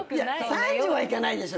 ３０はいかないでしょ